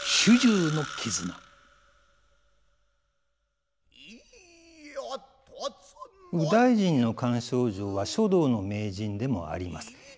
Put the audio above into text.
右大臣の菅丞相は書道の名人でもあります。